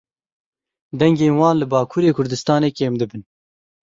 Dengên wan li Bakurê Kurdistanê kêm dibin.